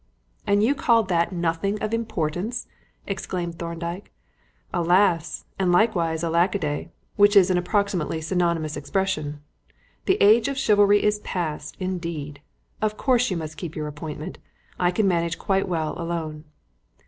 "And you call that 'nothing of any importance'!" exclaimed Thorndyke. "Alas! and likewise alackaday (which is an approximately synonymous expression)! The age of chivalry is past, indeed. Of course you must keep your appointment; I can manage quite well alone."